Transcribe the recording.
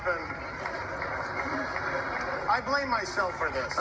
ดรัมมีเล่นทวีตแล้วอันนี้